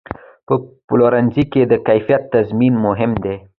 په پلورنځي کې د کیفیت تضمین مهم دی.